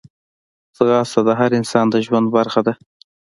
ځغاسته د هر انسان د ژوند برخه ده